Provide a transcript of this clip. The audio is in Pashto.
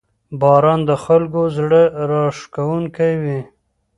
• باران د خلکو زړه راښکونکی وي.